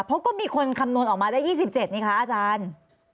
เพราะก็มีคนคำนวณออกมาได้๒๗นี่คะอาจารย์